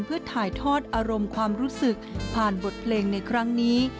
เพื่อถ่ายทอดอารมณ์ความรู้สึกผ่านบทเพลงในครั้งนี้